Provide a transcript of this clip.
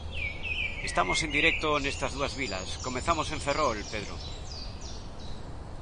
Estamos en directo nestas dúas vilas, Comezamos en Ferrol, Pedro...